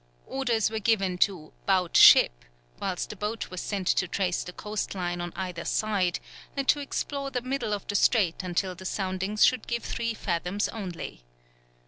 Orders were given to "'bout ship," whilst a boat was sent to trace the coast line on either side, and to explore the middle of the strait until the soundings should give three fathoms only.